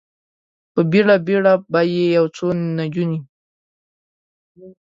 په بیړه، بیړه به یو څو نجونې،